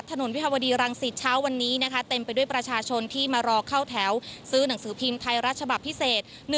ตัวนี้นะคะเต็มไปด้วยประชาชนที่มารอเข้าแถวซื้อหนังสือพิมพ์ไทยรัฐฉบับพิเศษ